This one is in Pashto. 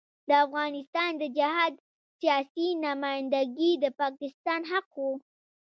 د افغانستان د جهاد سیاسي نمايندګي د پاکستان حق وو.